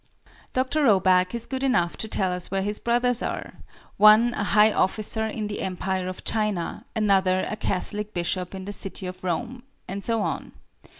Doctor Roback is good enough to tell us where his brothers are: "One, a high officer in the Empire of China, another a Catholic Bishop in the city of Rome," and so on.